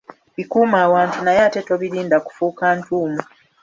Bikume awantu naye ate tobirinda kufuuka ntuumu.